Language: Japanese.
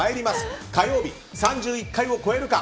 火曜日、３１回を超えるか。